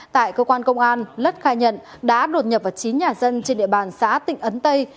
tại cơ quan công an lất khai nhận đã đột nhập vào chín nhà dân trên địa bàn xã tịnh ấn tây